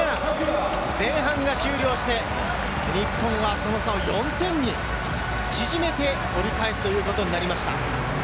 前半が終了して、日本はその差を４点に縮めて折り返すということになりました。